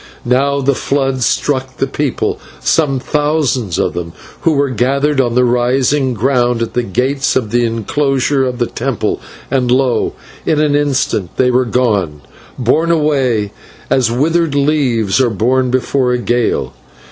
Now the flood struck the people, some thousands of them, who were gathered on the rising ground at the gates of the enclosure of the temple, and lo! in an instant they were gone, borne away as withered leaves are borne before a gale.